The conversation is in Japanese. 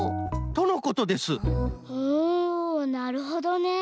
おなるほどね。